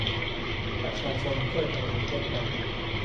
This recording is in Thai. ประชาชนช่วยกันเองเช่นกัน